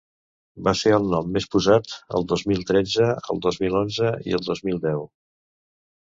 Va ser el nom més posat el dos mil tretze, el dos mil onze i el dos mil deu.